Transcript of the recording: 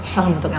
salam untuk elsa